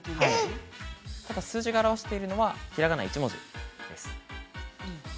数字が表しているのはひらがな一文字です。